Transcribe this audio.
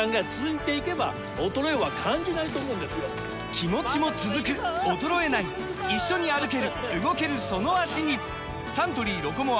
気持ちも続く衰えない一緒に歩ける動けるその脚にサントリー「ロコモア」！